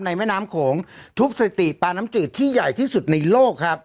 แม่น้ำโขงทุกสถิติปลาน้ำจืดที่ใหญ่ที่สุดในโลกครับ